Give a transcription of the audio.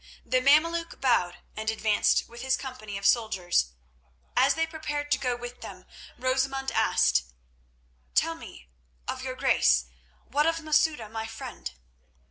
The Mameluk bowed and advanced with his company of soldiers. As they prepared to go with them, Rosamund asked: "Tell me of your grace, what of Masouda, my friend?"